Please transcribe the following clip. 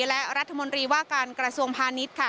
และรัฐมนตรีว่าการกระทรวงพาณิชย์ค่ะ